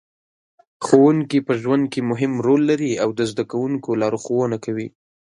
ښوونکې په ژوند کې مهم رول لري او د زده کوونکو لارښوونه کوي.